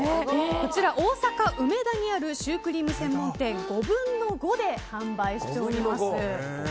こちら、大阪・梅田にあるシュークリーム専門店ゴブンノゴで販売しております。